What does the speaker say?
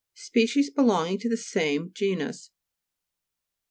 Species belonging to the same genus.